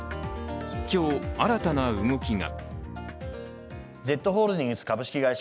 今日、新たな動きが。